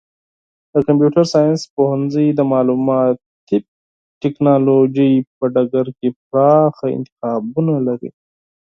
د کمپیوټر ساینس پوهنځی د معلوماتي ټکنالوژۍ په ډګر کې پراخه انتخابونه لري.